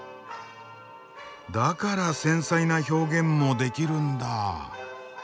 だから繊細な表現もできるんだあ。